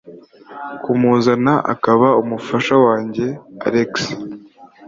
kumuzana akaba umufasha wanjye alex